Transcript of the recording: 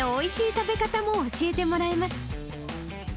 食べ方も教えてもらえます。